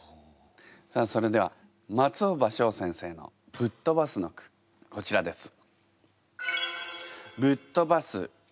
さあそれでは松尾葉翔先生の「ぶっとばす」の句こちらです。